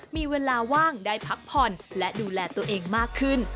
มีเวลาว่างได้พักผ่อนและดูแลตัวเองมากขึ้น